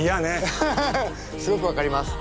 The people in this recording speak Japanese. ハハハすごく分かります。